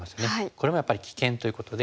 これもやっぱり危険ということで。